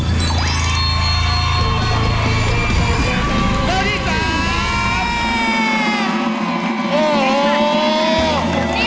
เล่าที่๓